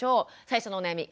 最初のお悩み